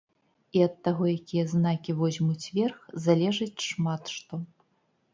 І ад таго, якія знакі возьмуць верх, залежыць шмат што.